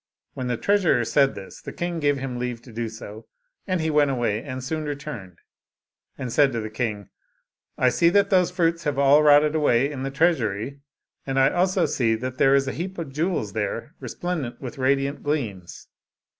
When the treasurer said this, the king gave him leave to do so, and he went away, and soon returned, and said to the king, " I see that those fruits have all rotted away in the treasury, and I also see that there is a heap of jewels there resplen dent with radiant gleams."